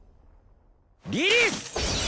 リリース！